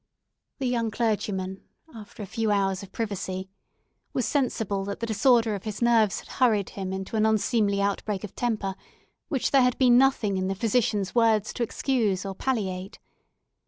The young clergyman, after a few hours of privacy, was sensible that the disorder of his nerves had hurried him into an unseemly outbreak of temper, which there had been nothing in the physician's words to excuse or palliate.